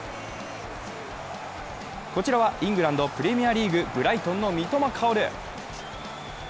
こちらは、イングランド・プレミアリーグ、ブライトンの三笘薫。